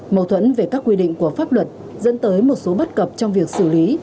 mâu thuẫn về các quy định của pháp luật dẫn tới một số bất cập trong việc xử lý